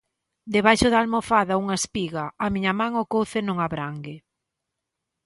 Debaixo da almofada unha espiga, a miña man o couce non abrangue